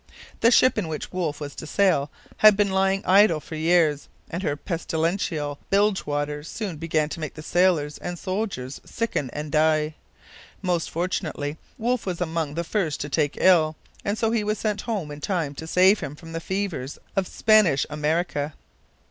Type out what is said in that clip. The ship in which Wolfe was to sail had been lying idle for years; and her pestilential bilge water soon began to make the sailors and soldiers sicken and die. Most fortunately, Wolfe was among the first to take ill; and so he was sent home in time to save him from the fevers of Spanish America.